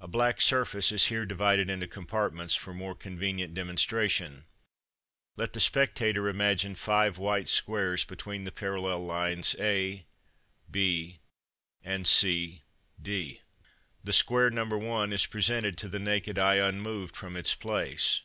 A black surface is here divided into compartments for more convenient demonstration: let the spectator imagine five white squares between the parallel lines a, b, and c, d. The square No. 1, is presented to the naked eye unmoved from its place.